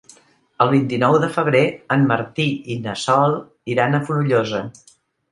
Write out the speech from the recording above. El vint-i-nou de febrer en Martí i na Sol iran a Fonollosa.